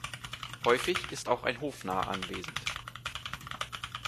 Häufig ist auch ein Hofnarr anwesend.